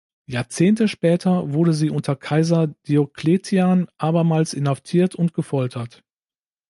Jahrzehnte später wurde sie unter Kaiser Diokletian abermals inhaftiert und gefoltert.